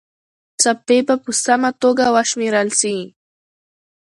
څپې به په سمه توګه وشمېرل سي.